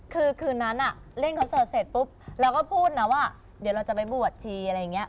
คือคืนนั้นเล่นคอนเสิร์ตเสร็จปุ๊บเราก็พูดนะว่าเดี๋ยวเราจะไปบวชทีอะไรอย่างนี้